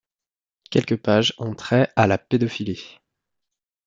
Quelques pages ont trait à la pédophilie.